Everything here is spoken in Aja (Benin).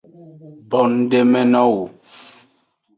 Bonudemenowo.